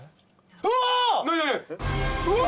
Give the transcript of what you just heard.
うわ！